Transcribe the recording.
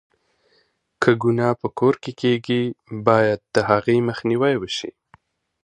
که گناه په کور کې کېږي، بايد د هغې مخنيوی وشي.